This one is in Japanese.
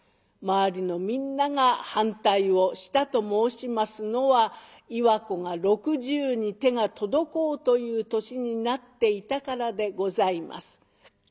周りのみんなが反対をしたと申しますのは岩子が６０に手が届こうという年になっていたからでございます。